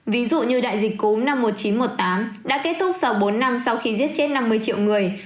ví dụ như đại dịch cúm năm một nghìn chín trăm một mươi tám đã kết thúc sau bốn năm sau khi giết chết năm mươi triệu người